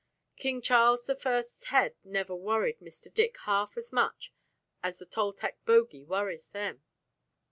King Charles I.'s head never worried Mr. Dick half as much as the Toltec bogey worries them.